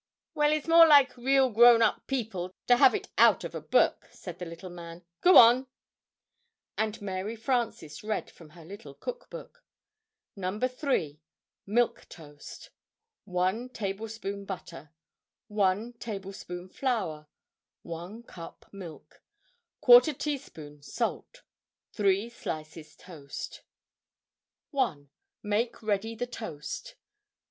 "Well, it's more like real grown up people to have it out of a book," said the little man. "Go on!" And Mary Frances read from her little Cook Book. [Illustration: Cup of milk] NO. 3. MILK TOAST. 1 tablespoon butter 1 tablespoon flour 1 cup milk ¼ teaspoon salt 3 slices toast 1. Make ready the toast.